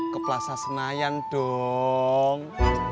ke plaza senayan dong